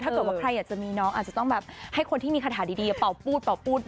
ถ้าเกิดว่าใครจะมีน้องอาจจะต้องให้คนที่มีคาถาดีเป่าปูดบ้าง